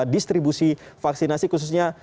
distribusi vaksinasi khususnya